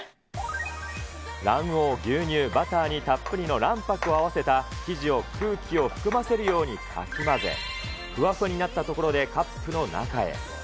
卵黄、牛乳、バターにたっぷりの卵白を合わせた生地を、空気を含ませるようにかき混ぜ、ふわふわになったところで、カップの中へ。